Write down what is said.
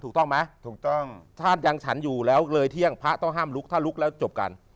ถูกต้องไหมถูกต้องถ้ายังฉันอยู่แล้วเลยเที่ยงพระต้องห้ามลุกถ้าลุกแล้วจบกัน